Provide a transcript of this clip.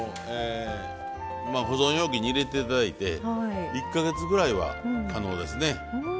まあ保存容器に入れていただいて１か月ぐらいは可能ですね。